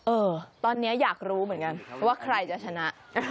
เออตอนนี้อยากรู้เหมือนกันว่าใครจะชนะ